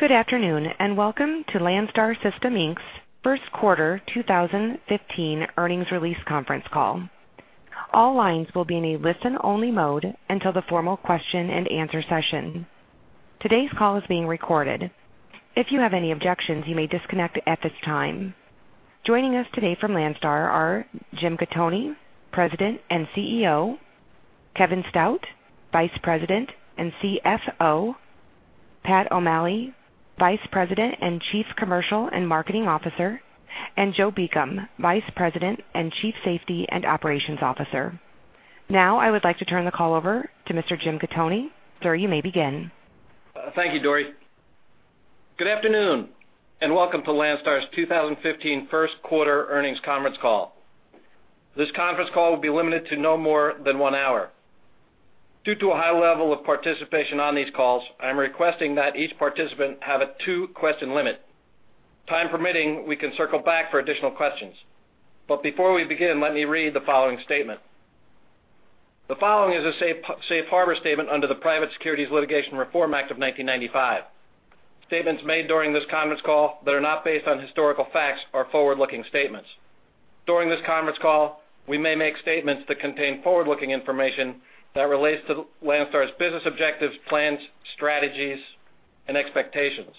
Good afternoon, and welcome to Landstar System, Inc.'s first quarter 2015 earnings release conference call. All lines will be in a listen-only mode until the formal question-and-answer session. Today's call is being recorded. If you have any objections, you may disconnect at this time. Joining us today from Landstar are Jim Gattoni, President and CEO, Kevin Stout, Vice President and CFO, Pat O'Malley, Vice President and Chief Commercial and Marketing Officer, and Joe Beacom, Vice President and Chief Safety and Operations Officer. Now, I would like to turn the call over to Mr. Jim Gattoni. Sir, you may begin. Thank you, Dory. Good afternoon, and welcome to Landstar's 2015 first quarter earnings conference call. This conference call will be limited to no more than one hour. Due to a high level of participation on these calls, I'm requesting that each participant have a two-question limit. Time permitting, we can circle back for additional questions. But before we begin, let me read the following statement. The following is a safe, safe harbor statement under the Private Securities Litigation Reform Act of 1995. Statements made during this conference call that are not based on historical facts are forward-looking statements. During this conference call, we may make statements that contain forward-looking information that relates to Landstar's business objectives, plans, strategies, and expectations.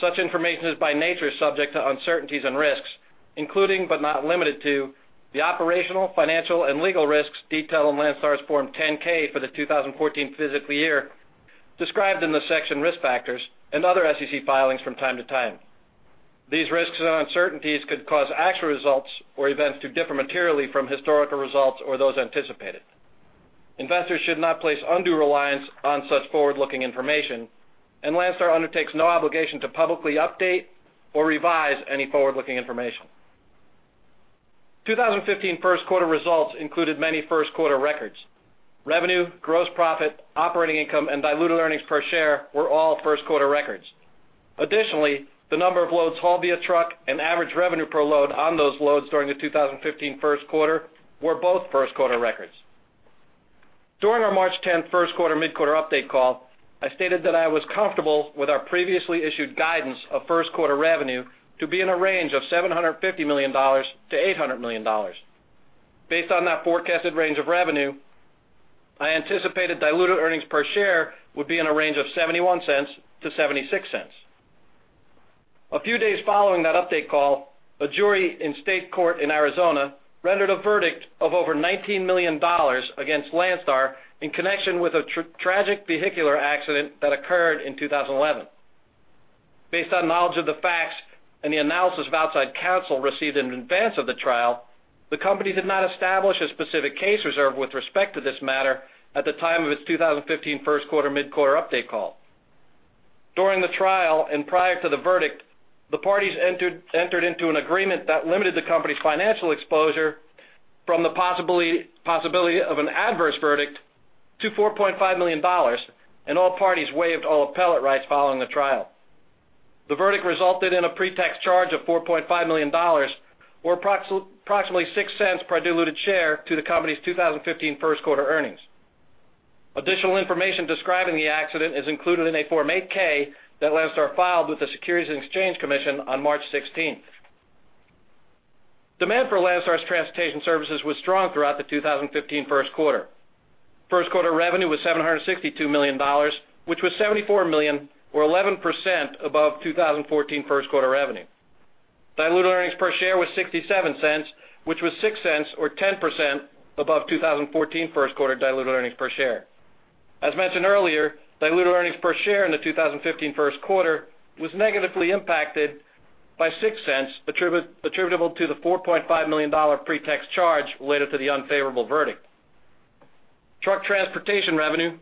Such information is by nature subject to uncertainties and risks, including but not limited to the operational, financial, and legal risks detailed in Landstar's Form 10-K for the 2014 fiscal year, described in the section Risk Factors and other SEC filings from time to time. These risks and uncertainties could cause actual results or events to differ materially from historical results or those anticipated. Investors should not place undue reliance on such forward-looking information, and Landstar undertakes no obligation to publicly update or revise any forward-looking information. 2015 first quarter results included many first quarter records. Revenue, gross profit, operating income, and diluted earnings per share were all first quarter records. Additionally, the number of loads hauled via truck and average revenue per load on those loads during the 2015 first quarter were both first quarter records. During our March 10 first quarter mid-quarter update call, I stated that I was comfortable with our previously issued guidance of first quarter revenue to be in a range of $750 million to $800 million. Based on that forecasted range of revenue, I anticipated diluted earnings per share would be in a range of $0.71 to $0.76. A few days following that update call, a jury in state court in Arizona rendered a verdict of over $19 million against Landstar in connection with a tragic vehicular accident that occurred in 2011. Based on knowledge of the facts and the analysis of outside counsel received in advance of the trial, the company did not establish a specific case reserve with respect to this matter at the time of its 2015 first quarter mid-quarter update call. During the trial and prior to the verdict, the parties entered into an agreement that limited the company's financial exposure from the possibility of an adverse verdict to $4.5 million, and all parties waived all appellate rights following the trial. The verdict resulted in a pre-tax charge of $4.5 million or approximately $0.06 per diluted share to the company's 2015 first quarter earnings. Additional information describing the accident is included in a Form 8-K that Landstar filed with the Securities and Exchange Commission on March sixteenth. Demand for Landstar's transportation services was strong throughout the 2015 first quarter. First quarter revenue was $762 million, which was $74 million or 11% above 2014 first quarter revenue. Diluted earnings per share was $0.67, which was $0.06, or 10% above 2014 first quarter diluted earnings per share. As mentioned earlier, diluted earnings per share in the 2015 first quarter was negatively impacted by $0.06, attributable to the $4.5 million pre-tax charge related to the unfavorable verdict. Truck transportation revenue,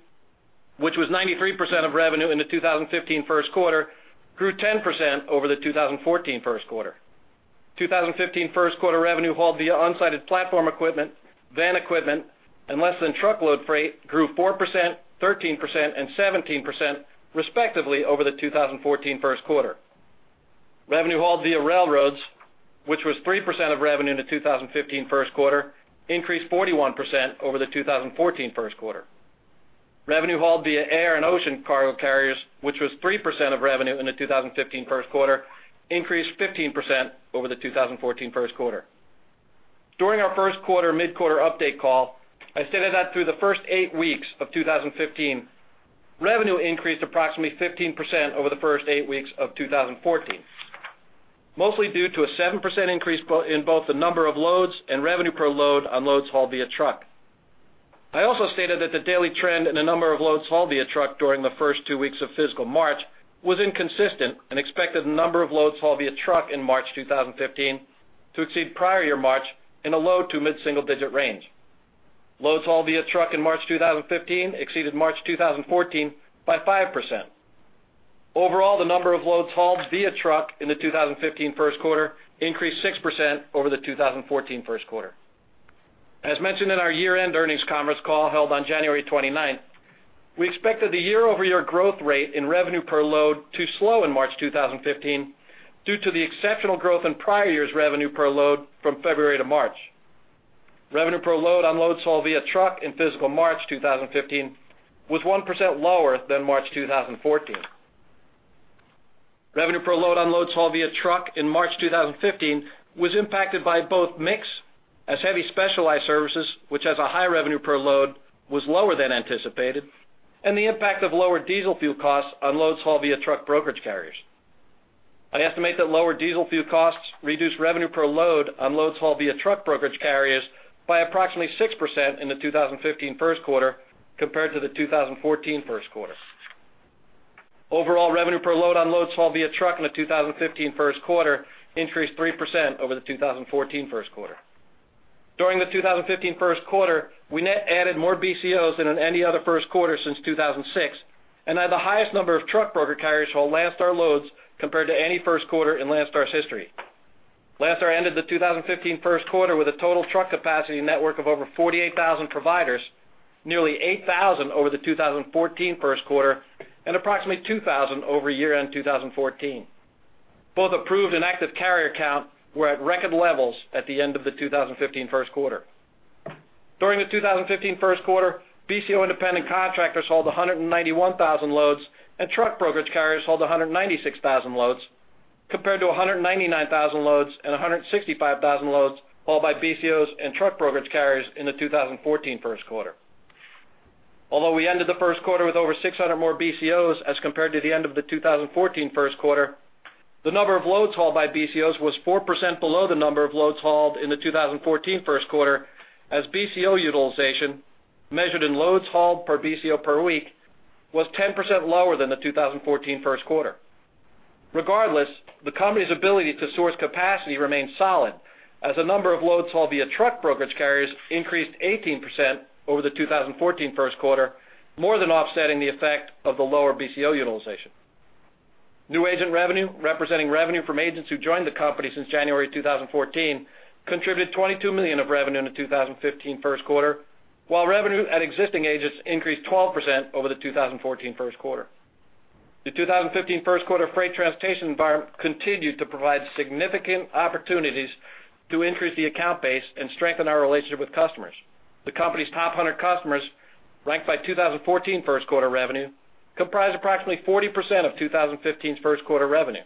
which was 93% of revenue in the 2015 first quarter, grew 10% over the 2014 first quarter. 2015 first quarter revenue hauled via platform equipment, van equipment, and less-than-truckload freight grew 4%, 13%, and 17%, respectively, over the 2014 first quarter. Revenue hauled via railroads, which was 3% of revenue in the 2015 first quarter, increased 41% over the 2014 first quarter. Revenue hauled via air and ocean cargo carriers, which was 3% of revenue in the 2015 first quarter, increased 15% over the 2014 first quarter. During our first quarter mid-quarter update call, I stated that through the first eight weeks of 2015, revenue increased approximately 15% over the first eight weeks of 2014, mostly due to a 7% increase in both the number of loads and revenue per load on loads hauled via truck. I also stated that the daily trend in the number of loads hauled via truck during the first two weeks of fiscal March was inconsistent and expected the number of loads hauled via truck in March 2015 to exceed prior year March in a low to mid-single digit range. Loads hauled via truck in March 2015 exceeded March 2014 by 5%. Overall, the number of loads hauled via truck in the 2015 first quarter increased 6% over the 2014 first quarter. As mentioned in our year-end earnings conference call held on January 29th, we expected the year-over-year growth rate in revenue per load to slow in March 2015 due to the exceptional growth in prior year's revenue per load from February to March. Revenue per load on loads hauled via truck in fiscal March 2015 was 1% lower than March 2014. Revenue per load on loads hauled via truck in March 2015 was impacted by both mix, as heavy specialized services, which has a high revenue per load, was lower than anticipated, and the impact of lower diesel fuel costs on loads hauled via truck brokerage carriers. I estimate that lower diesel fuel costs reduced revenue per load on loads hauled via truck brokerage carriers by approximately 6% in the 2015 first quarter compared to the 2014 first quarter. Overall, revenue per load on loads hauled via truck in the 2015 first quarter increased 3% over the 2014 first quarter. During the 2015 first quarter, we net added more BCOs than in any other first quarter since 2006, and had the highest number of truck broker carriers haul Landstar loads compared to any first quarter in Landstar's history. Landstar ended the 2015 first quarter with a total truck capacity network of over 48,000 providers, nearly 8,000 over the 2014 first quarter, and approximately 2,000 over year-end 2014. Both approved and active carrier count were at record levels at the end of the 2015 first quarter. During the 2015 first quarter, BCO independent contractors hauled 191,000 loads, and truck brokerage carriers hauled 196,000 loads, compared to 199,000 loads and 165,000 loads hauled by BCOs and truck brokerage carriers in the 2014 first quarter. Although we ended the first quarter with over 600 more BCOs as compared to the end of the 2014 first quarter, the number of loads hauled by BCOs was 4% below the number of loads hauled in the 2014 first quarter, as BCO utilization, measured in loads hauled per BCO per week, was 10% lower than the 2014 first quarter. Regardless, the company's ability to source capacity remains solid, as the number of loads hauled via truck brokerage carriers increased 18% over the 2014 first quarter, more than offsetting the effect of the lower BCO utilization. New agent revenue, representing revenue from agents who joined the company since January 2014, contributed $22 million of revenue in the 2015 first quarter, while revenue at existing agents increased 12% over the 2014 first quarter. The 2015 first quarter freight transportation environment continued to provide significant opportunities to increase the account base and strengthen our relationship with customers. The company's top 100 customers, ranked by 2014 first quarter revenue, comprised approximately 40% of 2015's first quarter revenue.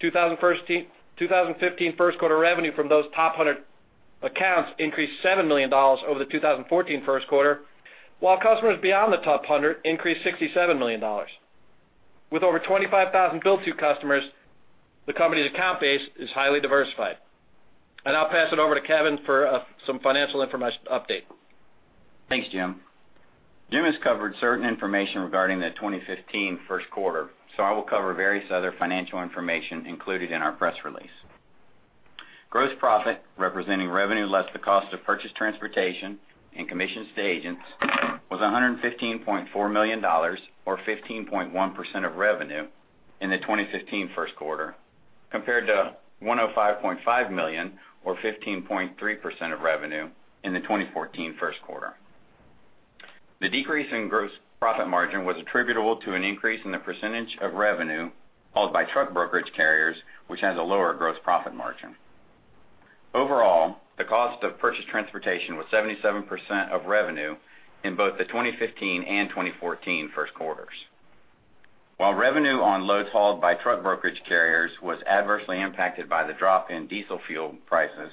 2015 first quarter revenue from those top 100 accounts increased $7 million over the 2014 first quarter, while customers beyond the top 100 increased $67 million. With over 25,000 bill-to customers, the company's account base is highly diversified. I'll pass it over to Kevin for some financial information update. Thanks, Jim. Jim has covered certain information regarding the 2015 first quarter, so I will cover various other financial information included in our press release. Gross profit, representing revenue less the cost of purchased transportation and commissions to agents, was $115.4 million, or 15.1% of revenue, in the 2015 first quarter, compared to $105.5 million, or 15.3% of revenue, in the 2014 first quarter. The decrease in gross profit margin was attributable to an increase in the percentage of revenue hauled by truck brokerage carriers, which has a lower gross profit margin. Overall, the cost of purchased transportation was 77% of revenue in both the 2015 and 2014 first quarters. While revenue on loads hauled by truck brokerage carriers was adversely impacted by the drop in diesel fuel prices,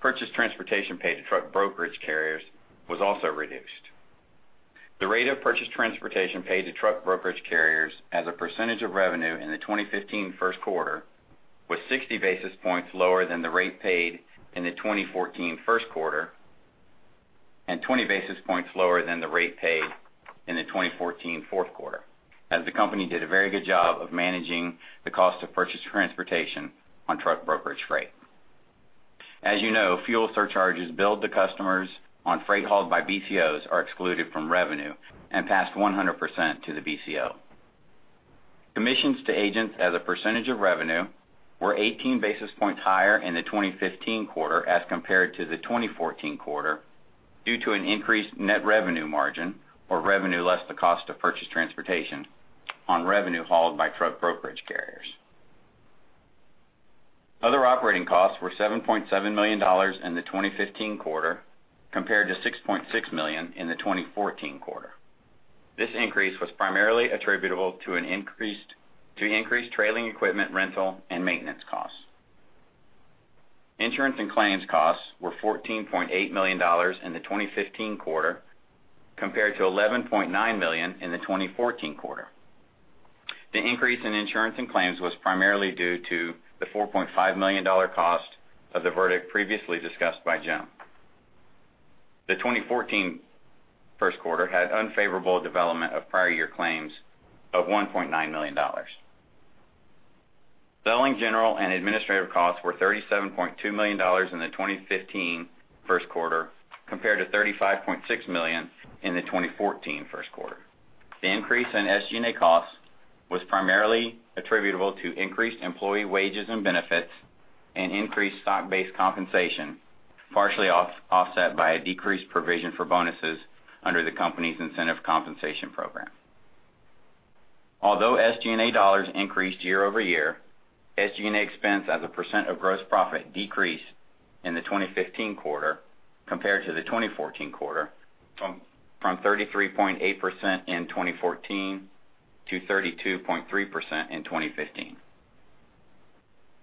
purchased transportation paid to truck brokerage carriers was also reduced. The rate of purchased transportation paid to truck brokerage carriers as a percentage of revenue in the 2015 first quarter was 60 basis points lower than the rate paid in the 2014 first quarter, and 20 basis points lower than the rate paid in the 2014 fourth quarter, as the company did a very good job of managing the cost of purchased transportation on truck brokerage freight. As you know, fuel surcharges billed to customers on freight hauled by BCOs are excluded from revenue and passed 100% to the BCO. Commissions to agents as a percentage of revenue were 18 basis points higher in the 2015 quarter as compared to the 2014 quarter, due to an increased net revenue margin or revenue less the cost of purchased transportation on revenue hauled by truck brokerage carriers. Other operating costs were $7.7 million in the 2015 quarter, compared to $6.6 million in the 2014 quarter. This increase was primarily attributable to increased trailing equipment rental and maintenance costs. Insurance and claims costs were $14.8 million in the 2015 quarter, compared to $11.9 million in the 2014 quarter. The increase in insurance and claims was primarily due to the $4.5 million cost of the verdict previously discussed by Jim. The 2014 first quarter had unfavorable development of prior year claims of $1.9 million. Selling, general, and administrative costs were $37.2 million in the 2015 first quarter, compared to $35.6 million in the 2014 first quarter. The increase in SG&A costs was primarily attributable to increased employee wages and benefits and increased stock-based compensation, partially offset by a decreased provision for bonuses under the company's incentive compensation program. Although SG&A dollars increased year-over-year, SG&A expense as a percent of gross profit decreased in the 2015 quarter compared to the 2014 quarter, from 33.8% in 2014 to 32.3% in 2015.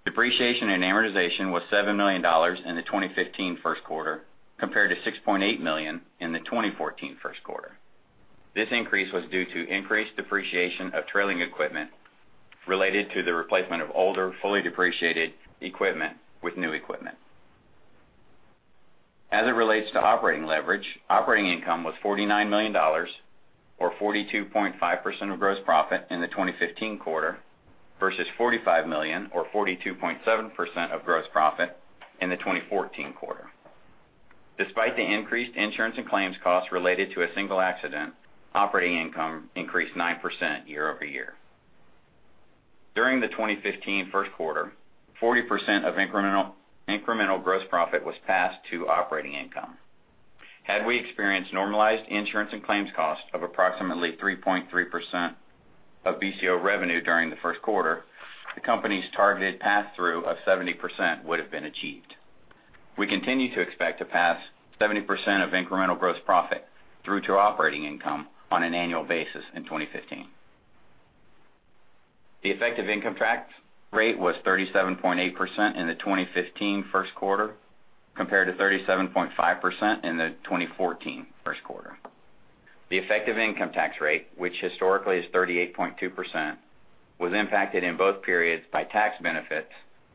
Depreciation and amortization was $7 million in the 2015 first quarter, compared to $6.8 million in the 2014 first quarter. This increase was due to increased depreciation of trailing equipment related to the replacement of older, fully depreciated equipment with new equipment. As it relates to operating leverage, operating income was $49 million or 42.5% of gross profit in the 2015 quarter versus $45 million or 42.7% of gross profit in the 2014 quarter. Despite the increased insurance and claims costs related to a single accident, operating income increased 9% year-over-year. During the 2015 first quarter, 40% of incremental, incremental gross profit was passed to operating income. Had we experienced normalized insurance and claims costs of approximately 3.3% of BCO revenue during the first quarter, the company's targeted pass-through of 70% would have been achieved. We continue to expect to pass 70% of incremental gross profit through to operating income on an annual basis in 2015. The effective income tax rate was 37.8% in the 2015 first quarter, compared to 37.5% in the 2014 first quarter. The effective income tax rate, which historically is 38.2%, was impacted in both periods by tax benefits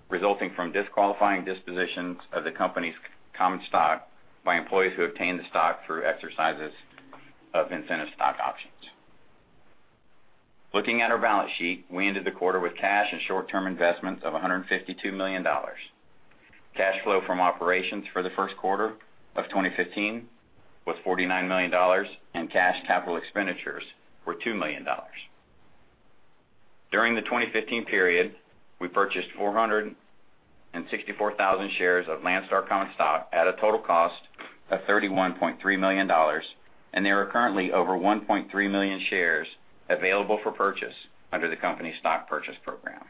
resulting from disqualifying dispositions of the company's common stock by employees who obtained the stock through exercises of incentive stock options. Looking at our balance sheet, we ended the quarter with cash and short-term investments of $152 million. Cash flow from operations for the first quarter of 2015 was $49 million, and cash capital expenditures were $2 million. During the 2015 period, we purchased 464,000 shares of Landstar common stock at a total cost of $31.3 million, and there are currently over 1.3 million shares available for purchase under the company's stock purchase program.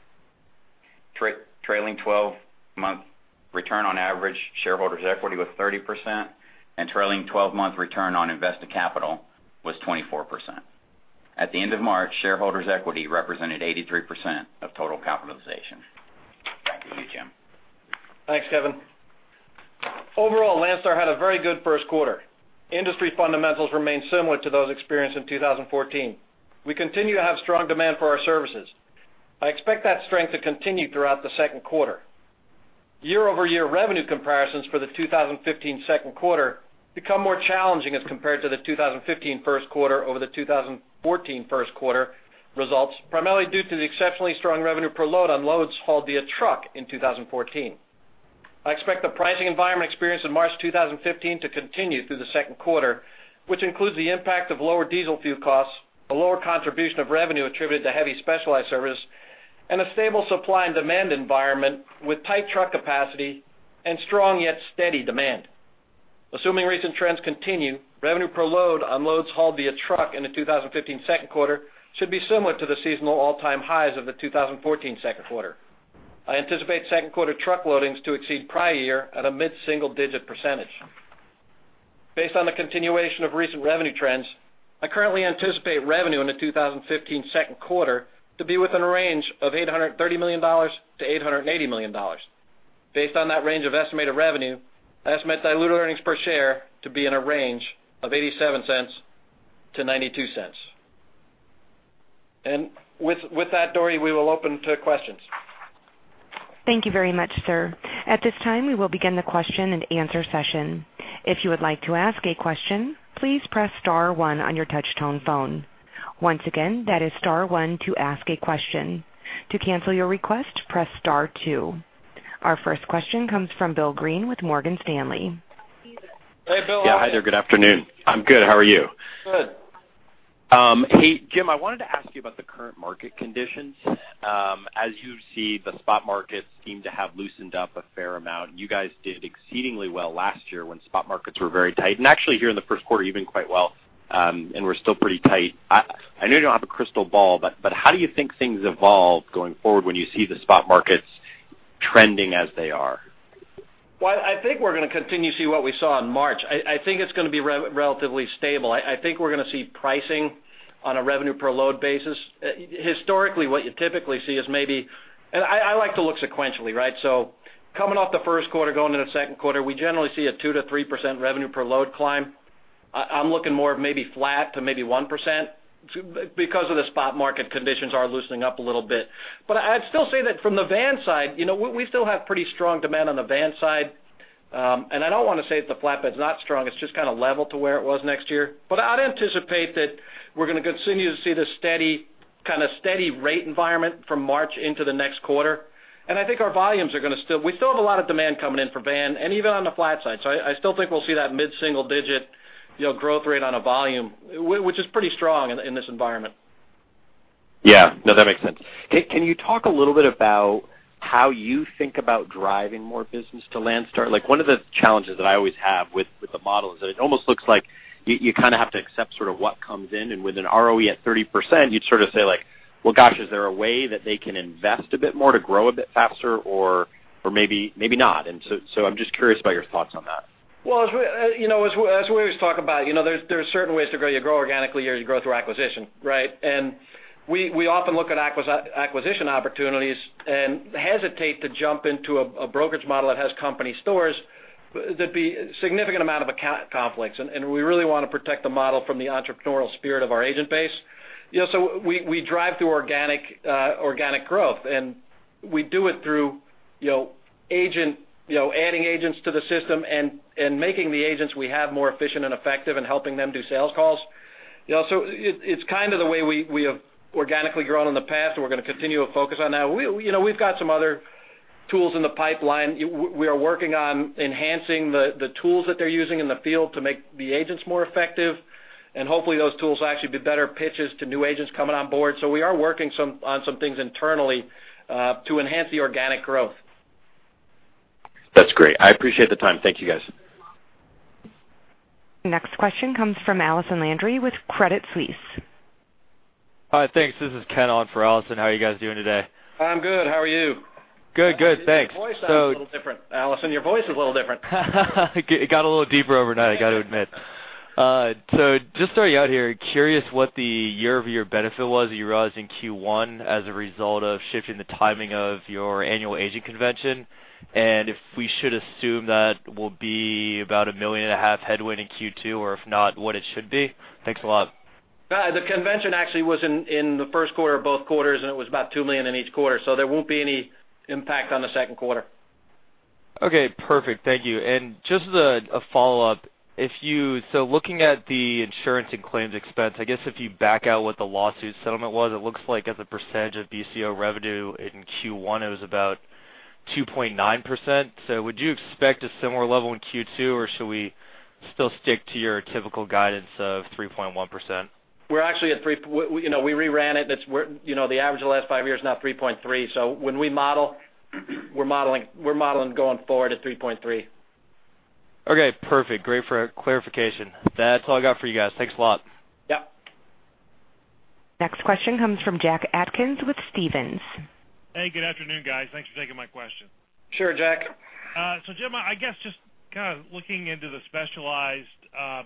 Trailing twelve-month return on average shareholders' equity was 30%, and trailing twelve-month return on invested capital was 24%. At the end of March, shareholders' equity represented 83% of total capitalization. Back to you, Jim. Thanks, Kevin. Overall, Landstar had a very good first quarter. Industry fundamentals remained similar to those experienced in 2014. We continue to have strong demand for our services. I expect that strength to continue throughout the second quarter. Year-over-year revenue comparisons for the 2015 second quarter become more challenging as compared to the 2015 first quarter over the 2014 first quarter results, primarily due to the exceptionally strong revenue per load on loads hauled via truck in 2014. I expect the pricing environment experienced in March 2015 to continue through the second quarter, which includes the impact of lower diesel fuel costs, a lower contribution of revenue attributed to heavy specialized service, and a stable supply and demand environment with tight truck capacity and strong, yet steady demand. Assuming recent trends continue, revenue per load on loads hauled via truck in the 2015 second quarter should be similar to the seasonal all-time highs of the 2014 second quarter. I anticipate second quarter truck loadings to exceed prior year at a mid-single-digit percentage. Based on the continuation of recent revenue trends, I currently anticipate revenue in the 2015 second quarter to be within a range of $830 million to $880 million. Based on that range of estimated revenue, I estimate diluted earnings per share to be in a range of $0.87 to $0.92. With that, Dory, we will open to questions. Thank you very much, sir. At this time, we will begin the question-and-answer session. If you would like to ask a question, please press star one on your Touch-Tone phone. Once again, that is star one to ask a question. To cancel your request, press star two. Our first question comes from Bill Greene with Morgan Stanley. Hey, Bill. Yeah. Hi there. Good afternoon. I'm good. How are you? Good. Hey, Jim, I wanted to ask you about the current market conditions. As you see, the spot markets seem to have loosened up a fair amount. You guys did exceedingly well last year when spot markets were very tight, and actually, here in the first quarter, even quite well, and we're still pretty tight. I know you don't have a crystal ball, but how do you think things evolve going forward when you see the spot markets trending as they are? Well, I think we're gonna continue to see what we saw in March. I, I think it's gonna be relatively stable. I, I think we're gonna see pricing on a revenue per load basis. Historically, what you typically see is maybe... And I, I like to look sequentially, right? So coming off the first quarter, going into the second quarter, we generally see a 2% to 3% revenue per load climb. I, I'm looking more of maybe flat to maybe 1% because of the spot market conditions are loosening up a little bit. But I'd still say that from the van side, you know, we, we still have pretty strong demand on the van side. And I don't want to say that the flatbed's not strong, it's just kind of level to where it was next year. But I'd anticipate that we're gonna continue to see this steady, kind of steady rate environment from March into the next quarter. And I think our volumes are gonna still—we still have a lot of demand coming in for van and even on the flat side. So I, I still think we'll see that mid-single digit, you know, growth rate on a volume, which is pretty strong in, in this environment. Yeah. No, that makes sense. Can you talk a little bit about ... how do you think about driving more business to Landstar? Like, one of the challenges that I always have with the model is that it almost looks like you kind of have to accept sort of what comes in. And with an ROE at 30%, you'd sort of say like, well, gosh, is there a way that they can invest a bit more to grow a bit faster, or maybe not? And so I'm just curious about your thoughts on that. Well, as we you know, as we always talk about, you know, there are certain ways to grow. You grow organically, or you grow through acquisition, right? And we often look at acquisition opportunities and hesitate to jump into a brokerage model that has company stores. There'd be significant amount of account conflicts, and we really want to protect the model from the entrepreneurial spirit of our agent base. You know, so we drive through organic growth, and we do it through, you know, adding agents to the system and making the agents we have more efficient and effective and helping them do sales calls. You know, so it's kind of the way we have organically grown in the past, and we're going to continue to focus on that. We, you know, we've got some other tools in the pipeline. We are working on enhancing the tools that they're using in the field to make the agents more effective, and hopefully, those tools will actually be better pitches to new agents coming on board. So we are working on some things internally to enhance the organic growth. That's great. I appreciate the time. Thank you, guys. Next question comes from Allison Landry with Credit Suisse. Hi, thanks. This is Ken on for Allison. How are you guys doing today? I'm good. How are you? Good. Good. Thanks. So- Allison, your voice sounds a little different. Allison, your voice is a little different. It got a little deeper overnight, I got to admit. So just starting out here, curious what the year-over-year benefit was that you realized in Q1 as a result of shifting the timing of your annual agent convention? And if we should assume that will be about $1.5 million headwind in Q2, or if not, what it should be? Thanks a lot. The convention actually was in the first quarter of both quarters, and it was about $2 million in each quarter, so there won't be any impact on the second quarter. Okay, perfect. Thank you. And just as a follow-up, if you... So looking at the insurance and claims expense, I guess if you back out what the lawsuit settlement was, it looks like as a percentage of BCO revenue in Q1, it was about 2.9%. So would you expect a similar level in Q2, or should we still stick to your typical guidance of 3.1%? We're actually at 3. We, you know, we reran it. That's where, you know, the average of the last 5 years is now 3.3. So when we model, we're modeling, we're modeling going forward at 3.3. Okay, perfect. Great for clarification. That's all I got for you guys. Thanks a lot. Yeah. Next question comes from Jack Atkins with Stephens. Hey, good afternoon, guys. Thanks for taking my question. Sure, Jack. So Jim, I guess just kind of looking into the specialized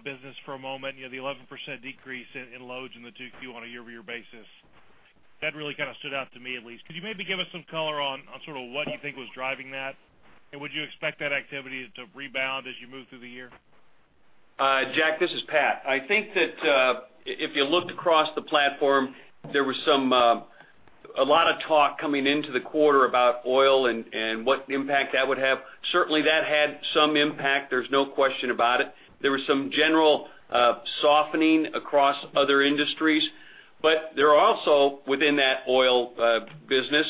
business for a moment, you know, the 11% decrease in loads in the 2Q on a year-over-year basis, that really kind of stood out to me at least. Could you maybe give us some color on sort of what you think was driving that? And would you expect that activity to rebound as you move through the year? Jack, this is Pat. I think that, if you looked across the platform, there was some a lot of talk coming into the quarter about oil and, and what impact that would have. Certainly, that had some impact, there's no question about it. There was some general softening across other industries, but there are also, within that oil business,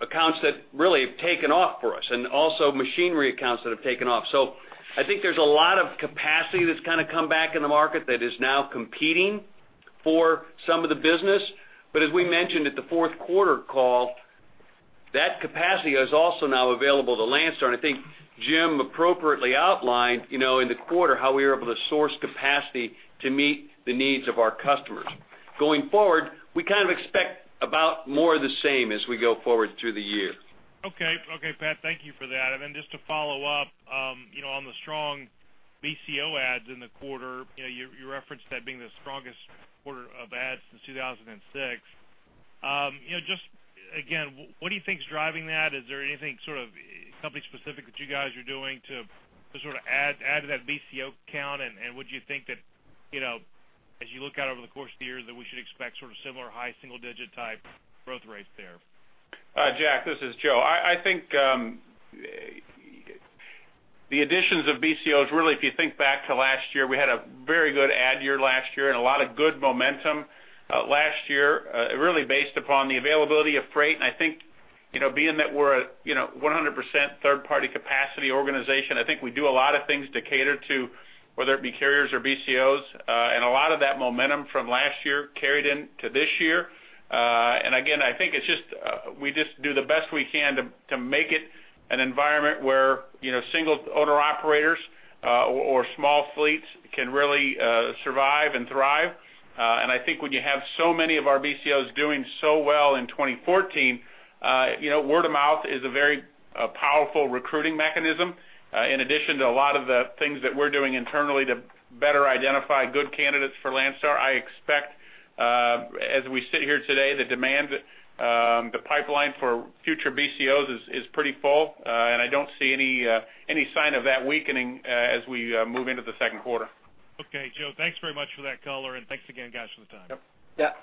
accounts that really have taken off for us, and also machinery accounts that have taken off. So I think there's a lot of capacity that's kind of come back in the market that is now competing for some of the business. But as we mentioned at the fourth quarter call, that capacity is also now available to Landstar. And I think Jim appropriately outlined, you know, in the quarter, how we were able to source capacity to meet the needs of our customers. Going forward, we kind of expect about more of the same as we go forward through the year. Okay. Okay, Pat, thank you for that. And then just to follow up, you know, on the strong BCO adds in the quarter, you know, you referenced that being the strongest quarter of adds since 2006. You know, just again, what do you think is driving that? Is there anything sort of company specific that you guys are doing to sort of add to that BCO count? And would you think that, you know, as you look out over the course of the year, that we should expect sort of similar high, single-digit type growth rates there? Jack, this is Joe. I think the additions of BCOs, really, if you think back to last year, we had a very good add year last year and a lot of good momentum last year really based upon the availability of freight. And I think, you know, being that we're a, you know, 100% third-party capacity organization, I think we do a lot of things to cater to, whether it be carriers or BCOs, and a lot of that momentum from last year carried into this year. And again, I think it's just we just do the best we can to make it an environment where, you know, single owner-operators or small fleets can really survive and thrive. And I think when you have so many of our BCOs doing so well in 2014, you know, word of mouth is a very powerful recruiting mechanism, in addition to a lot of the things that we're doing internally to better identify good candidates for Landstar. I expect, as we sit here today, the demand, the pipeline for future BCOs is pretty full, and I don't see any sign of that weakening, as we move into the second quarter. Okay, Joe, thanks very much for that color, and thanks again, guys, for the time. Yep.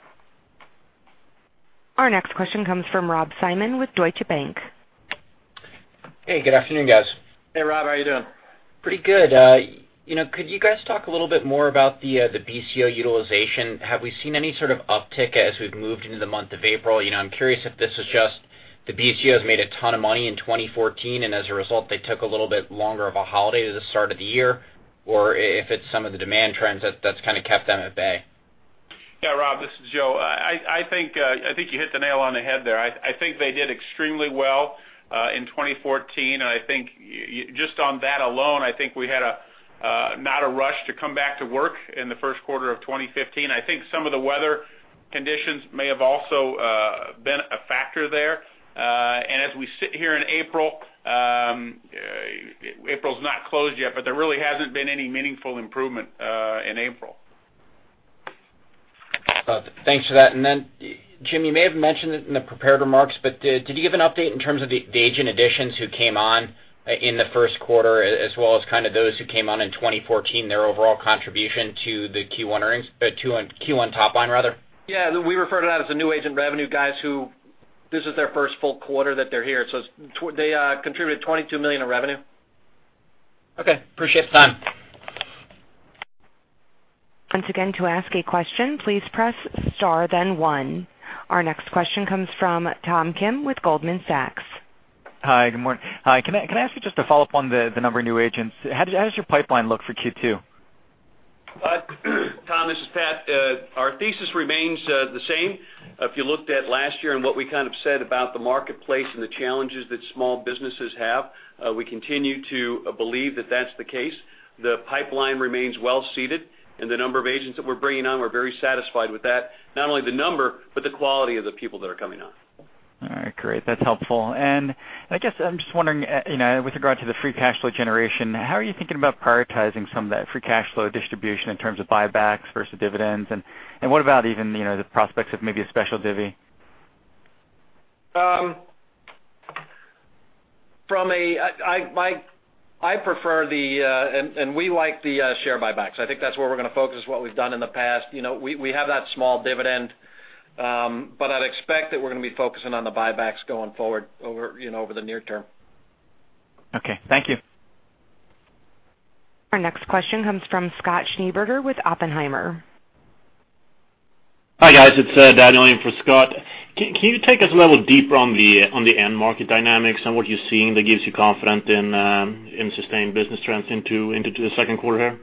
Yeah. Our next question comes from Rob Salmon with Deutsche Bank. Hey, good afternoon, guys. Hey, Rob, how are you doing? Pretty good. You know, could you guys talk a little bit more about the BCO utilization? Have we seen any sort of uptick as we've moved into the month of April? You know, I'm curious if this is just the BCOs made a ton of money in 2014, and as a result, they took a little bit longer of a holiday at the start of the year, or if it's some of the demand trends that that's kind of kept them at bay? ... Yeah, Rob, this is Joe. I think you hit the nail on the head there. I think they did extremely well in 2014, and I think just on that alone, I think we had not a rush to come back to work in the first quarter of 2015. I think some of the weather conditions may have also been a factor there. And as we sit here in April, April's not closed yet, but there really hasn't been any meaningful improvement in April. Thanks for that. And then, Jim, you may have mentioned it in the prepared remarks, but did you give an update in terms of the agent additions who came on in the first quarter, as well as kind of those who came on in 2014, their overall contribution to the Q1 earnings, to Q1 top line, rather? Yeah, we refer to that as the new agent revenue guys who this is their first full quarter that they're here. So they contributed $22 million in revenue. Okay. Appreciate the time. Once again, to ask a question, please press star, then one. Our next question comes from Tom Kim with Goldman Sachs. Hi, good morning. Hi, can I ask you just to follow up on the number of new agents? How does your pipeline look for Q2? Tom, this is Pat. Our thesis remains the same. If you looked at last year and what we kind of said about the marketplace and the challenges that small businesses have, we continue to believe that that's the case. The pipeline remains well seated, and the number of agents that we're bringing on, we're very satisfied with that. Not only the number, but the quality of the people that are coming on. All right, great. That's helpful. And I guess I'm just wondering, you know, with regard to the free cash flow generation, how are you thinking about prioritizing some of that free cash flow distribution in terms of buybacks versus dividends? And what about even, you know, the prospects of maybe a special divvy? I prefer the, and we like the share buybacks. I think that's where we're going to focus, what we've done in the past. You know, we have that small dividend, but I'd expect that we're going to be focusing on the buybacks going forward over, you know, over the near term. Okay, thank you. Our next question comes from Scott Schneeberger with Oppenheimer. Hi, guys. It's Daniel in for Scott. Can you take us a little deeper on the end market dynamics and what you're seeing that gives you confidence in sustained business trends into the second quarter here?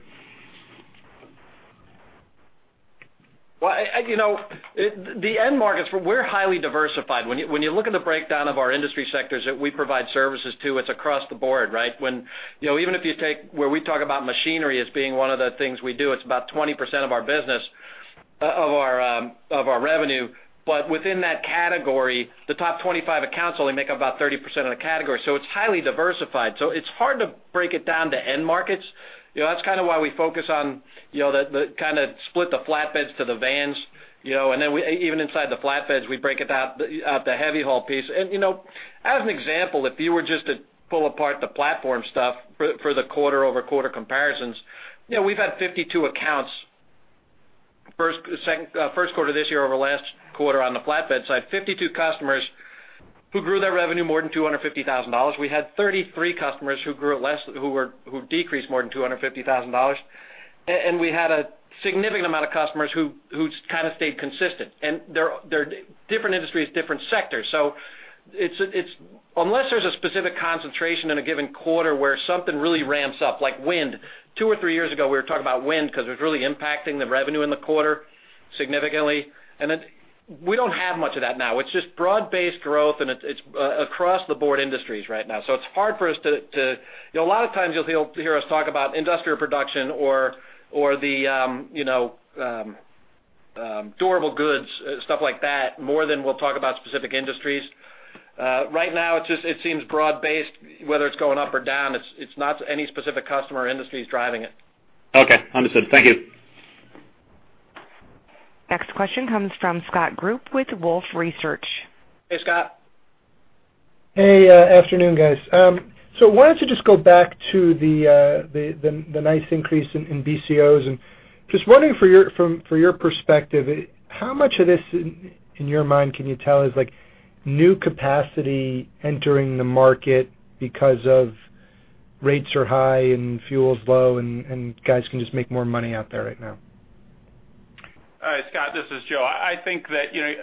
Well, you know, it, the end markets, we're highly diversified. When you look at the breakdown of our industry sectors that we provide services to, it's across the board, right? When, you know, even if you take where we talk about machinery as being one of the things we do, it's about 20% of our business, of our revenue. But within that category, the top 25 accounts only make up about 30% of the category, so it's highly diversified. So it's hard to break it down to end markets. You know, that's kind of why we focus on, you know, the, the kind of split the flatbeds to the vans, you know, and then we, even inside the flatbeds, we break it out the heavy haul piece. You know, as an example, if you were just to pull apart the platform stuff for, for the quarter-over-quarter comparisons, you know, we've had 52 accounts, first, second, first quarter this year over last quarter on the flatbed side. 52 customers who grew their revenue more than $250,000. We had 33 customers who grew less, who were, who decreased more than $250,000. And we had a significant amount of customers who, who kind of stayed consistent, and they're, they're different industries, different sectors. So it's, it's unless there's a specific concentration in a given quarter where something really ramps up, like wind. Two or three years ago, we were talking about wind because it was really impacting the revenue in the quarter significantly, and it... We don't have much of that now. It's just broad-based growth, and it's across the board industries right now. So it's hard for us to. You know, a lot of times you'll hear us talk about industrial production or the, you know, durable goods, stuff like that, more than we'll talk about specific industries. Right now, it's just, it seems broad-based, whether it's going up or down, it's not any specific customer or industry is driving it. Okay, understood. Thank you. Next question comes from Scott Group with Wolfe Research. Hey, Scott. Hey, afternoon, guys. So why don't you just go back to the nice increase in BCOs, and just wondering for your, from your perspective, how much of this, in your mind, can you tell is like new capacity entering the market because of rates are high and fuel's low and guys can just make more money out there right now? Scott, this is Joe. I think that, you know,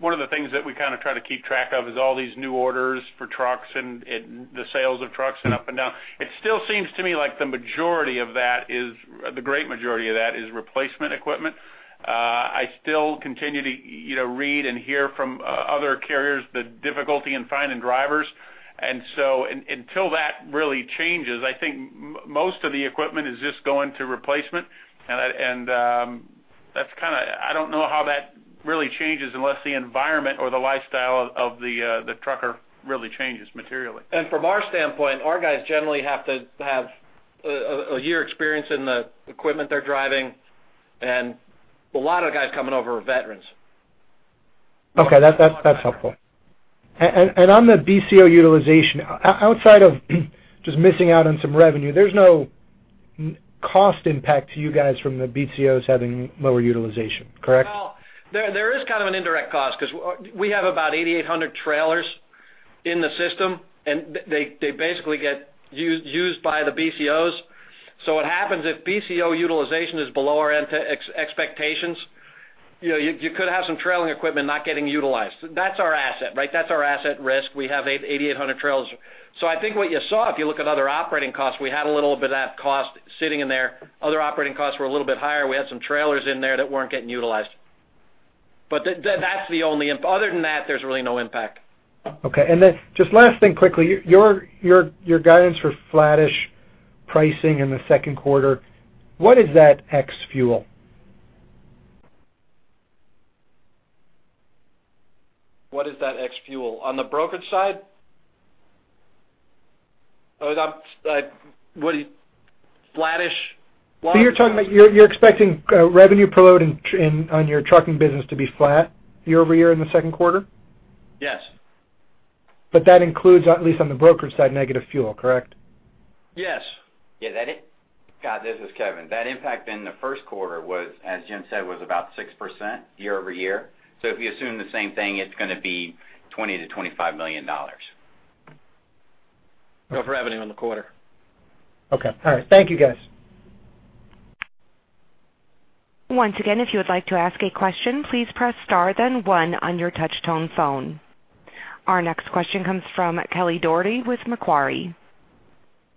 one of the things that we kind of try to keep track of is all these new orders for trucks and the sales of trucks and up and down. It still seems to me like the majority of that is, the great majority of that, is replacement equipment. I still continue to, you know, read and hear from other carriers the difficulty in finding drivers. And so until that really changes, I think most of the equipment is just going to replacement, and that's kind of... I don't know how that really changes unless the environment or the lifestyle of the trucker really changes materially. From our standpoint, our guys generally have to have a year experience in the equipment they're driving, and a lot of the guys coming over are veterans. Okay, that's helpful. And on the BCO utilization, outside of just missing out on some revenue, there's no cost impact to you guys from the BCOs having lower utilization, correct? Well, there is kind of an indirect cost because we have about 8,800 trailers in the system, and they basically get used by the BCOs. So what happens if BCO utilization is below our expectations, you know, you could have some trailing equipment not getting utilized. That's our asset, right? That's our asset risk. We have 8,800 trailers. So I think what you saw, if you look at other operating costs, we had a little bit of that cost sitting in there. Other operating costs were a little bit higher. We had some trailers in there that weren't getting utilized... but that's the only impact. Other than that, there's really no impact. Okay. And then just last thing quickly, your guidance for flattish pricing in the second quarter, what is that ex fuel? What is that ex fuel on the brokerage side? Oh, that, like, what do you flattish- So you're talking about, you're expecting revenue per load in on your trucking business to be flat year-over-year in the second quarter? Yes. But that includes, at least on the brokerage side, negative fuel, correct? Yes. Yeah, Scott, this is Kevin. That impact in the first quarter was, as Jim said, was about 6% year-over-year. So if you assume the same thing, it's gonna be $20 million to $25 million. Of revenue on the quarter. Okay. All right. Thank you, guys. Once again, if you would like to ask a question, please press star, then one on your Touch-Tone phone. Our next question comes from Kelly Dougherty with Macquarie.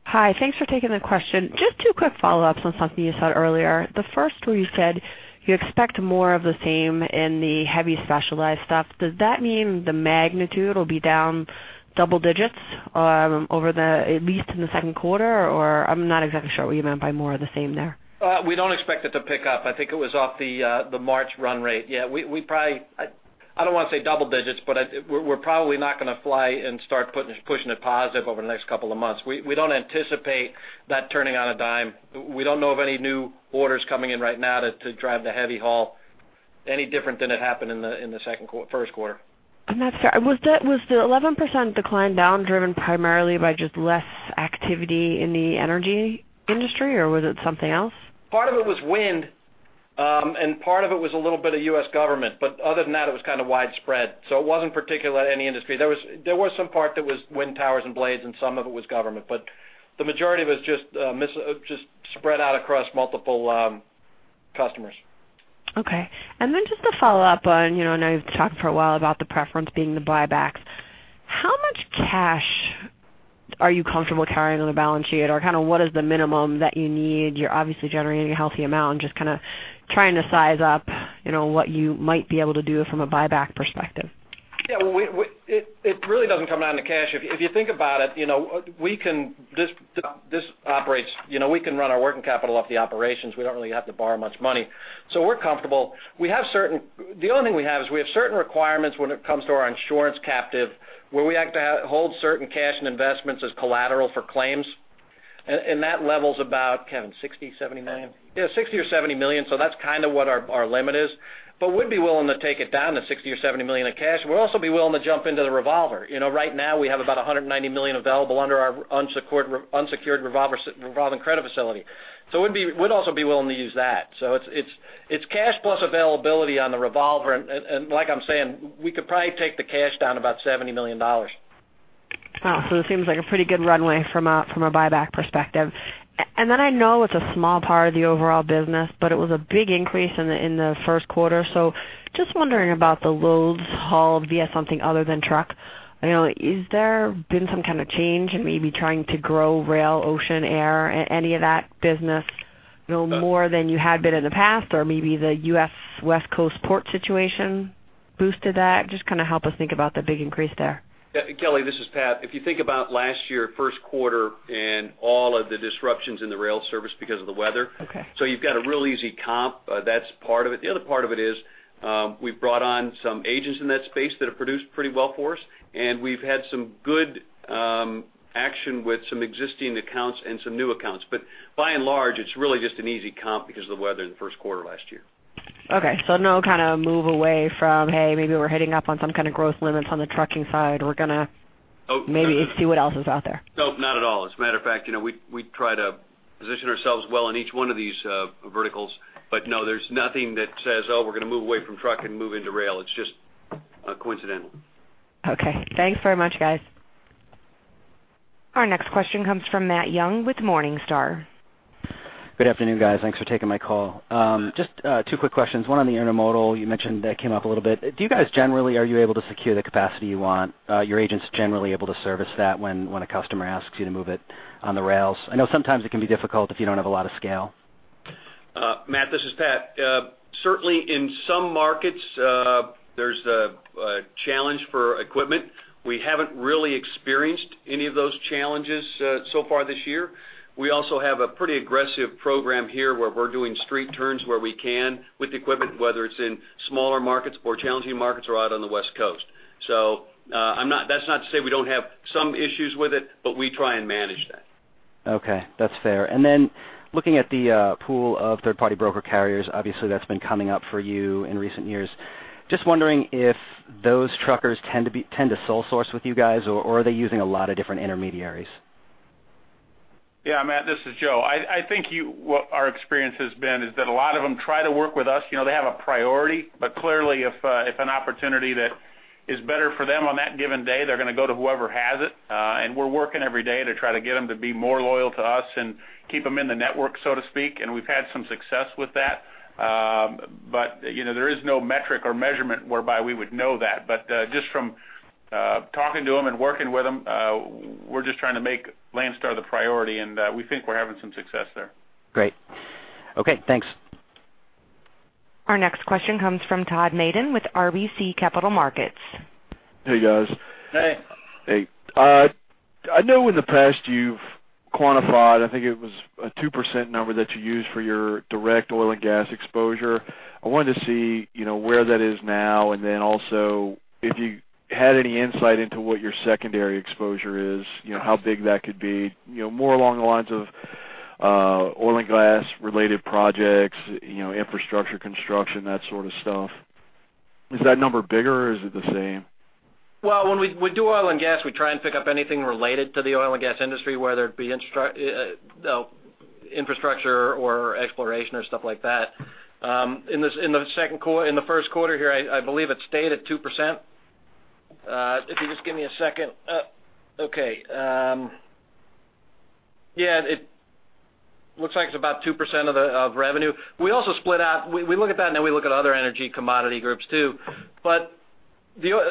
Hi, thanks for taking the question. Just two quick follow-ups on something you said earlier. The first, where you said you expect more of the same in the heavy specialized stuff. Does that mean the magnitude will be down double digits, over the, at least in the second quarter? Or I'm not exactly sure what you meant by more of the same there. We don't expect it to pick up. I think it was off the, the March run rate. Yeah, we probably, I don't want to say double digits, but we're probably not gonna fly and start pushing it positive over the next couple of months. We don't anticipate that turning on a dime. We don't know of any new orders coming in right now to drive the heavy haul any different than it happened in the first quarter. That's fair. Was the 11% decline down driven primarily by just less activity in the energy industry, or was it something else? Part of it was wind, and part of it was a little bit of U.S. government, but other than that, it was kind of widespread, so it wasn't particular to any industry. There was some part that was wind towers and blades, and some of it was government, but the majority of it was just spread out across multiple customers. Okay. And then just to follow up on, you know, I know you've talked for a while about the preference being the buybacks. How much cash are you comfortable carrying on the balance sheet, or kind of what is the minimum that you need? You're obviously generating a healthy amount. I'm just kind of trying to size up, you know, what you might be able to do from a buyback perspective. Yeah, it really doesn't come down to cash. If you think about it, you know, we can. This operates, you know, we can run our working capital off the operations. We don't really have to borrow much money, so we're comfortable. The only thing we have is we have certain requirements when it comes to our insurance captive, where we have to hold certain cash and investments as collateral for claims. And that level's about, Kevin, $60million to $70 million? Yeah. $60million or 70 million, so that's kind of what our, our limit is. But we'd be willing to take it down to $60million or 70 million in cash. We'll also be willing to jump into the revolver. You know, right now, we have about $190 million available under our unsecured re- unsecured revolver, revolving credit facility. So we'd be- we'd also be willing to use that. So it's, it's, it's cash plus availability on the revolver, and, and like I'm saying, we could probably take the cash down about $70 million. Wow! So it seems like a pretty good runway from a buyback perspective. And then I know it's a small part of the overall business, but it was a big increase in the first quarter. So just wondering about the loads hauled via something other than truck. You know, is there been some kind of change in maybe trying to grow rail, ocean, air, any of that business, you know, more than you had been in the past, or maybe the U.S. West Coast port situation boosted that? Just kind of help us think about the big increase there. Kelly, this is Pat. If you think about last year, first quarter, and all of the disruptions in the rail service because of the weather- Okay. You've got a real easy comp. That's part of it. The other part of it is, we've brought on some agents in that space that have produced pretty well for us, and we've had some good action with some existing accounts and some new accounts. But by and large, it's really just an easy comp because of the weather in the first quarter last year. Okay, so no kind of move away from, hey, maybe we're hitting up on some kind of growth limits on the trucking side. We're gonna- Oh. Maybe see what else is out there. No, not at all. As a matter of fact, you know, we try to position ourselves well in each one of these verticals. But no, there's nothing that says, "Oh, we're gonna move away from truck and move into rail." It's just coincidental. Okay. Thanks very much, guys. Our next question comes from Matt Young with Morningstar. Good afternoon, guys. Thanks for taking my call. Just two quick questions. One on the intermodal, you mentioned that came up a little bit. Do you guys generally, are you able to secure the capacity you want? Your agents generally able to service that when a customer asks you to move it on the rails? I know sometimes it can be difficult if you don't have a lot of scale. Matt, this is Pat. Certainly in some markets, there's a challenge for equipment. We haven't really experienced any of those challenges so far this year. We also have a pretty aggressive program here, where we're doing street turns where we can with equipment, whether it's in smaller markets or challenging markets or out on the West Coast. So, I'm not-- that's not to say we don't have some issues with it, but we try and manage that. Okay, that's fair. And then looking at the pool of third-party broker carriers, obviously, that's been coming up for you in recent years. Just wondering if those truckers tend to sole source with you guys, or are they using a lot of different intermediaries? Yeah, Matt, this is Joe. I think what our experience has been is that a lot of them try to work with us. You know, they have a priority, but clearly, if an opportunity that is better for them on that given day, they're gonna go to whoever has it. And we're working every day to try to get them to be more loyal to us and keep them in the network, so to speak, and we've had some success with that. But, you know, there is no metric or measurement whereby we would know that. But just from... talking to them and working with them, we're just trying to make Landstar the priority, and we think we're having some success there. Great. Okay, thanks. Our next question comes from Todd Maiden with RBC Capital Markets. Hey, guys. Hey. Hey. I know in the past you've quantified, I think it was a 2% number that you used for your direct oil and gas exposure. I wanted to see, you know, where that is now, and then also, if you had any insight into what your secondary exposure is, you know, how big that could be, you know, more along the lines of, oil and gas-related projects, you know, infrastructure, construction, that sort of stuff. Is that number bigger, or is it the same? Well, when we do oil and gas, we try and pick up anything related to the oil and gas industry, whether it be infrastructure or exploration or stuff like that. In the first quarter here, I believe it stayed at 2%. If you just give me a second. Yeah, it looks like it's about 2% of the revenue. We also split out... We look at that, and then we look at other energy commodity groups, too. But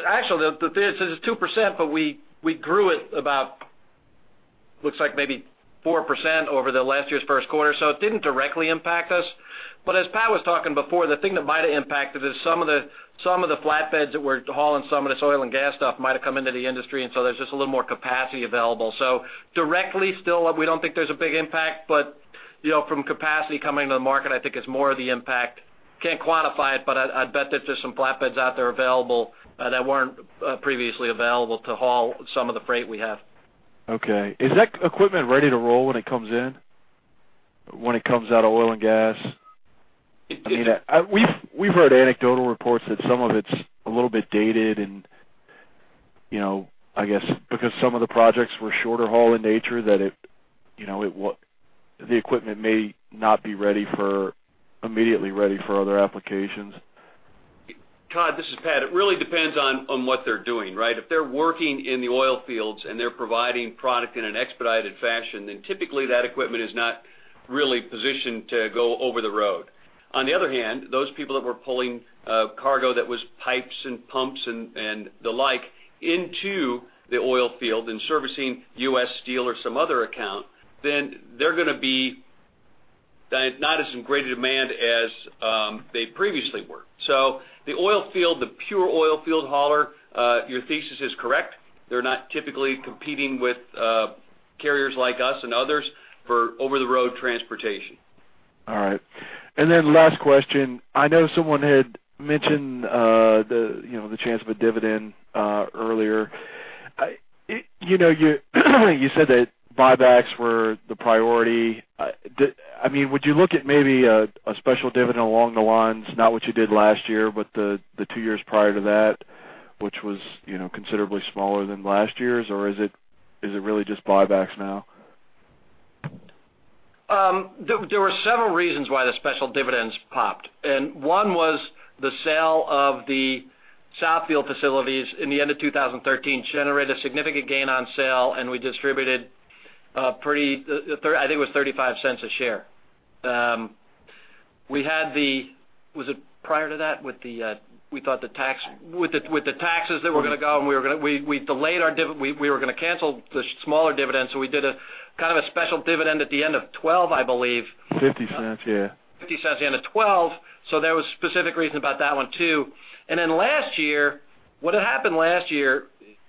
actually, this is 2%, but we grew it about, looks like maybe 4% over the last year's first quarter, so it didn't directly impact us. But as Pat was talking before, the thing that might have impacted is some of the, some of the flatbeds that were hauling some of this oil and gas stuff might have come into the industry, and so there's just a little more capacity available. So directly, still, we don't think there's a big impact, but, you know, from capacity coming to the market, I think it's more of the impact. Can't quantify it, but I'd, I'd bet that there's some flatbeds out there available that weren't previously available to haul some of the freight we have. Okay. Is that equipment ready to roll when it comes in, when it comes out of oil and gas? I mean, we've heard anecdotal reports that some of it's a little bit dated and, you know, I guess, because some of the projects were shorter haul in nature, that it, you know, the equipment may not be immediately ready for other applications. Todd, this is Pat. It really depends on what they're doing, right? If they're working in the oil fields, and they're providing product in an expedited fashion, then typically that equipment is not really positioned to go over the road. On the other hand, those people that were pulling cargo that was pipes and pumps and the like into the oil field and servicing U.S. Steel or some other account, then they're going to be not as in great a demand as they previously were. So the oil field, the pure oil field hauler, your thesis is correct. They're not typically competing with carriers like us and others for over-the-road transportation. All right. And then last question: I know someone had mentioned you know the chance of a dividend earlier. You know you said that buybacks were the priority. I mean would you look at maybe a a special dividend along the lines not what you did last year but the the two years prior to that which was you know considerably smaller than last year's? Or is it is it really just buybacks now? There were several reasons why the special dividends popped, and one was the sale of the Southfield facilities in the end of 2013, generated a significant gain on sale, and we distributed, I think it was $0.35 a share. We had the... Was it prior to that, with the, we thought the tax- With the tax. With the taxes that were going to go, and we were gonna delay our dividend. We were gonna cancel the smaller dividend, so we did a kind of a special dividend at the end of 2012, I believe. $0.50, yeah. $0.50, the end of 2012. So there was specific reason about that one, too. And then last year, what had happened last year,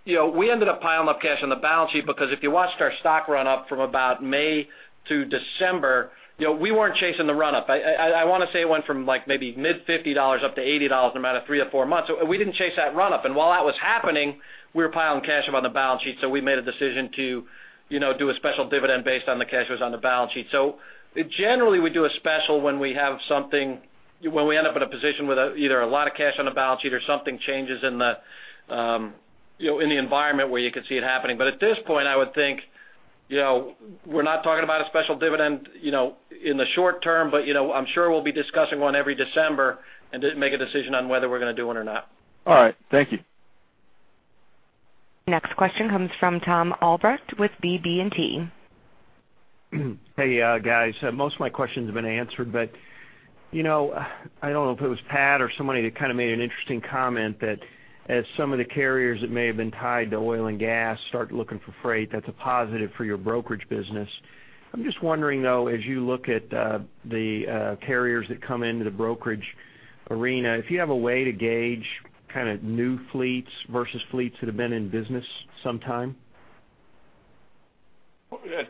you know, we ended up piling up cash on the balance sheet because if you watched our stock run up from about May to December, you know, we weren't chasing the runup. I, I, I want to say it went from, like, maybe mid $50 up to $80 in a matter of three to four months. So we didn't chase that runup. And while that was happening, we were piling cash up on the balance sheet, so we made a decision to, you know, do a special dividend based on the cash that was on the balance sheet. So generally, we do a special when we have something, when we end up in a position with either a lot of cash on the balance sheet or something changes in the, you know, in the environment where you can see it happening. But at this point, I would think, you know, we're not talking about a special dividend, you know, in the short term, but, you know, I'm sure we'll be discussing one every December and make a decision on whether we're going to do one or not. All right. Thank you. Next question comes from Tom Albrecht with BB&T. Hey, guys. Most of my questions have been answered, but, you know, I don't know if it was Pat or somebody that kind of made an interesting comment that as some of the carriers that may have been tied to oil and gas start looking for freight, that's a positive for your brokerage business. I'm just wondering, though, as you look at the carriers that come into the brokerage arena, if you have a way to gauge kind of new fleets versus fleets that have been in business sometime?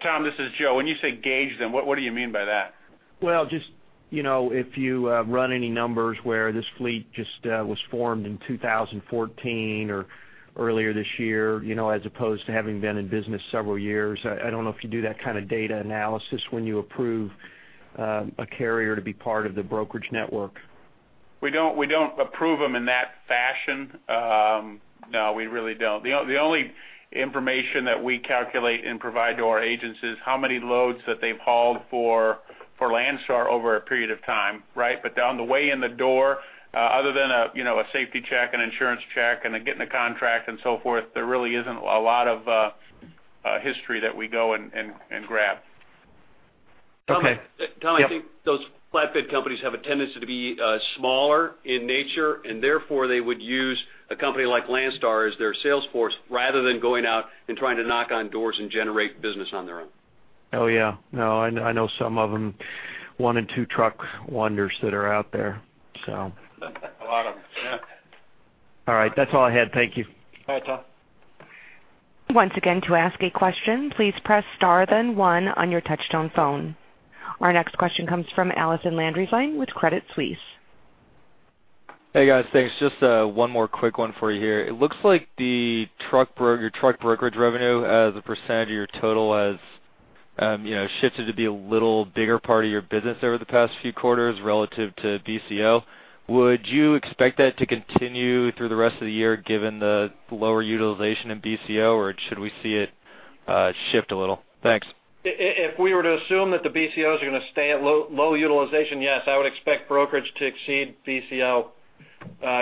Tom, this is Joe. When you say gauge them, what do you mean by that? Well, just, you know, if you run any numbers where this fleet just was formed in 2014 or earlier this year, you know, as opposed to having been in business several years. I, I don't know if you do that kind of data analysis when you approve a carrier to be part of the brokerage network. We don't, we don't approve them in that fashion. No, we really don't. The only information that we calculate and provide to our agents is how many loads that they've hauled for Landstar over a period of time, right? But on the way in the door, other than a, you know, a safety check, an insurance check, and then getting a contract and so forth, there really isn't a lot of history that we go and grab. Tom, I think those flatbed companies have a tendency to be smaller in nature, and therefore, they would use a company like Landstar as their sales force, rather than going out and trying to knock on doors and generate business on their own. Oh, yeah. No, I, I know some of them, 1 and 2 truck wonders that are out there, so. A lot of them, yeah. All right, that's all I had. Thank you. Bye, Tom. Once again, to ask a question, please press star, then one on your touchtone phone. Our next question comes from Allison Landry with Credit Suisse. Hey, guys. Thanks. Just one more quick one for you here. It looks like the truck broker-- your truck brokerage revenue as a percentage of your total has, you know, shifted to be a little bigger part of your business over the past few quarters relative to BCO. Would you expect that to continue through the rest of the year, given the lower utilization in BCO, or should we see it shift a little? Thanks. If we were to assume that the BCOs are going to stay at low, low utilization, yes, I would expect brokerage to exceed BCO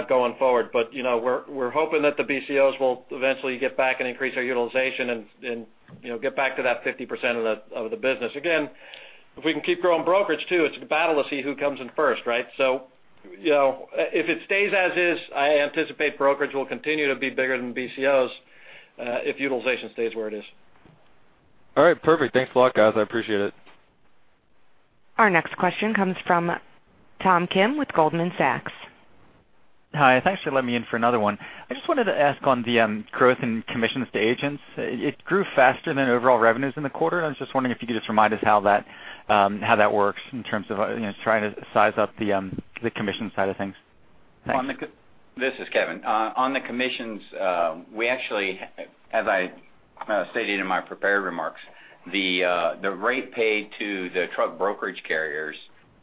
going forward. But, you know, we're hoping that the BCOs will eventually get back and increase our utilization and, you know, get back to that 50% of the business. Again, if we can keep growing brokerage, too, it's a battle to see who comes in first, right? So, you know, if it stays as is, I anticipate brokerage will continue to be bigger than BCOs, if utilization stays where it is. All right, perfect. Thanks a lot, guys. I appreciate it. Our next question comes from Tom Kim with Goldman Sachs. Hi, thanks for letting me in for another one. I just wanted to ask on the growth in commissions to agents. It grew faster than overall revenues in the quarter, and I was just wondering if you could just remind us how that works in terms of, you know, trying to size up the commission side of things. Thanks. This is Kevin. On the commissions, we actually, as I stated in my prepared remarks, the rate paid to the truck brokerage carriers,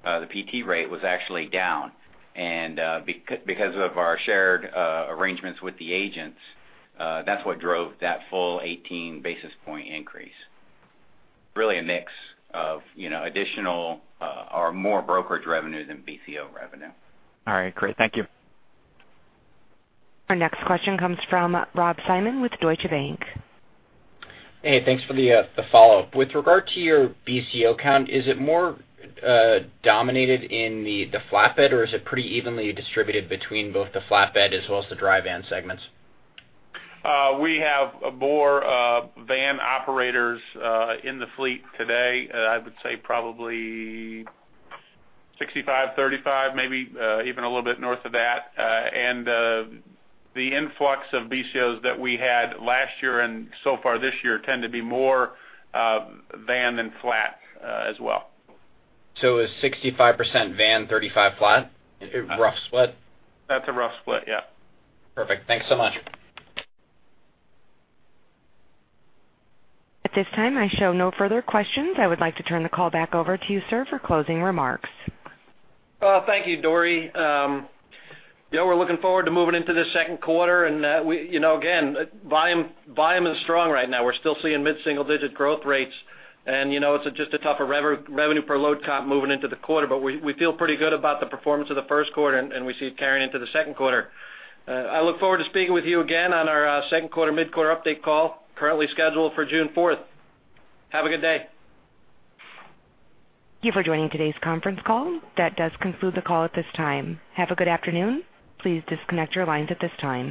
the PT rate, was actually down. And, because of our shared arrangements with the agents, that's what drove that full 18 basis point increase. Really a mix of, you know, additional, or more brokerage revenue than BCO revenue. All right, great. Thank you. Our next question comes from Rob Salmon with Deutsche Bank. Hey, thanks for the follow-up. With regard to your BCO count, is it more dominated in the flatbed, or is it pretty evenly distributed between both the flatbed as well as the dry van segments? We have more van operators in the fleet today. I would say probably 65-35, maybe even a little bit north of that. The influx of BCOs that we had last year and so far this year tend to be more van than flat as well. A 65% van, 35% flat, rough split? That's a rough split, yeah. Perfect. Thanks so much. At this time, I show no further questions. I would like to turn the call back over to you, sir, for closing remarks. Well, thank you, Dory. You know, we're looking forward to moving into the second quarter, and we, you know, again, volume, volume is strong right now. We're still seeing mid-single-digit growth rates, and, you know, it's just a tougher revenue per load comp moving into the quarter, but we, we feel pretty good about the performance of the first quarter, and, and we see it carrying into the second quarter. I look forward to speaking with you again on our second quarter mid-quarter update call, currently scheduled for June fourth. Have a good day! Thank you for joining today's conference call. That does conclude the call at this time. Have a good afternoon. Please disconnect your lines at this time.